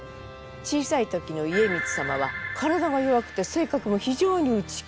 小さい時の家光様は体が弱くて性格も非常に内気。